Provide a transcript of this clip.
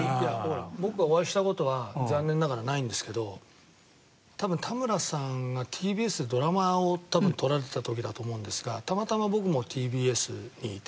僕はお会いした事は残念ながらないんですけど多分田村さんがＴＢＳでドラマを撮られていた時だと思うんですがたまたま僕もＴＢＳにいて。